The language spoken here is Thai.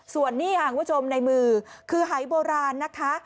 ส่วนนี้ค่ะคุณผู้ชมในมือคือหายโบราณนะคะ